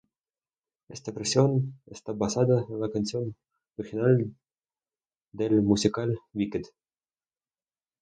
Esta versión está basada en la canción original de el musical Wicked.